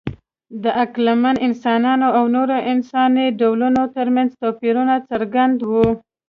د عقلمن انسانانو او نورو انساني ډولونو ترمنځ توپیرونه څرګند وو.